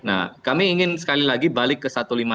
nah kami ingin sekali lagi balik ke satu ratus lima puluh